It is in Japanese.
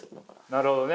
なるほどね。